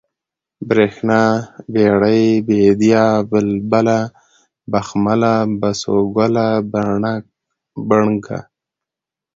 برېښنا ، ببرۍ ، بېديا ، بلبله ، بخمله ، بسوگله ، بڼکه